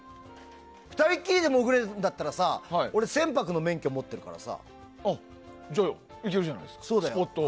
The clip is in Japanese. ２人きりで潜れるんだったら俺、船舶の免許持ってるからさ行けるじゃないですかスポット。